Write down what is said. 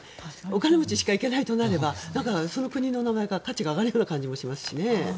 お金持ちしか行けないとなればだから、その国の名前の価値が上がるような感じもしますしね。